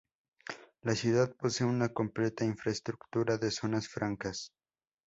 La ciudad posee una completa infraestructura de zonas francas.